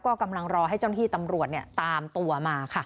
ก็กำลังรอให้เจ้าหน้าที่ตำรวจตามตัวมาค่ะ